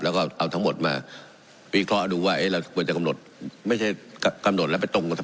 แล้วก็เอาทั้งหมดมาวิเคราะห์ดูว่าเราควรจะกำหนดไม่ใช่กำหนดแล้วไปตรงกับ